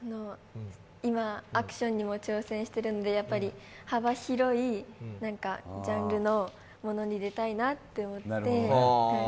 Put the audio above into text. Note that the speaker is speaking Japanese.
今、アクションにも挑戦しているので幅広いジャンルのものに出たいなと思って。